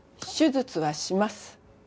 手術はします。